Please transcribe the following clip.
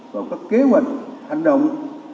và có kế hoạch hành động